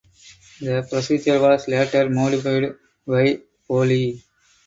The procedure was later modified by Boley.